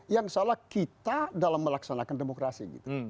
yang salah kita dalam melaksanakan demokrasi